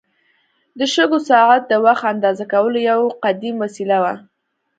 د شګو ساعت د وخت اندازه کولو یو قدیم وسیله وه.